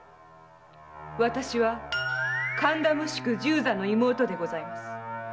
私は神田無宿十左の妹でございます。